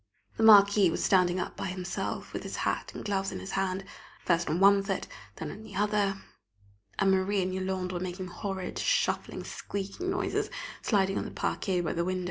The Marquis was standing up by himself with his hat and gloves in his hand first on one foot, then on the other; and Marie and Yolande were making horrid, shuffling, squeaking noises, sliding on the parquet by the window.